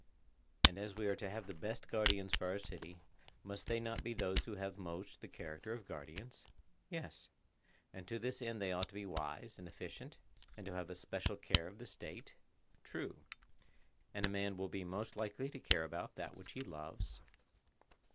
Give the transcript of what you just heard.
And as we are to have the best of guardians for our city, must they not be those who have most the character of guardians? Yes. And to this end they ought to be wise and efficient, and to have a special care of the State? True. And a man will be most likely to care about that which he loves?